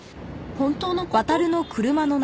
本当の事？